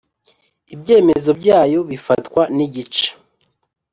Ibyemezo Byayo Bifatwa N Igice